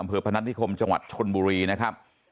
พนัฐนิคมจังหวัดชนบุรีนะครับ